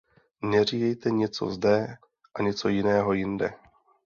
Neříkejte něco zde a něco jiného jinde.